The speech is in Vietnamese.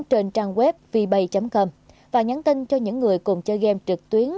trên trang web vy com và nhắn tin cho những người cùng chơi game trực tuyến